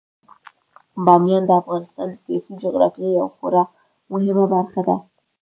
بامیان د افغانستان د سیاسي جغرافیې یوه خورا مهمه برخه ده.